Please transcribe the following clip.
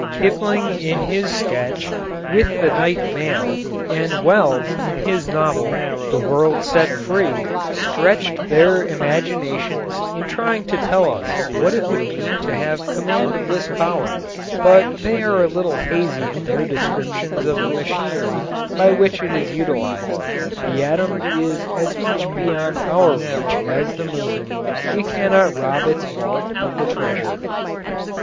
Kipling in his sketch, "With the Night Mail," and Wells in his novel, "The World Set Free," stretched their imaginations in trying to tell us what it would mean to have command of this power, but they are a little hazy in their descriptions of the machinery by which it is utilized. The atom is as much beyond our reach as the moon. We cannot rob its vault of the treasure.